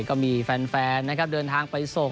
ก็มีแฟนนะครับเดินทางไปส่ง